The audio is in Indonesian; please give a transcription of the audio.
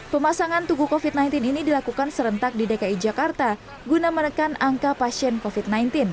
pemasangan tugu covid sembilan belas ini dilakukan serentak di dki jakarta guna menekan angka pasien covid sembilan belas